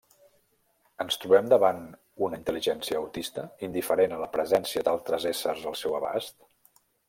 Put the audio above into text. Ens trobem davant una intel·ligència autista, indiferent a la presència d'altres éssers al seu abast?